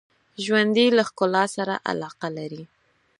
ژوندي له ښکلا سره علاقه لري